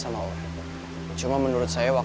mau ketemu gak